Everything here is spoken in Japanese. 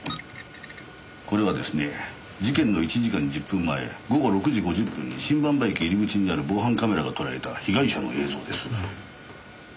これはですね事件の１時間１０分前午後６時５０分に新馬場駅入り口にある防犯カメラがとらえた被害者の映像です。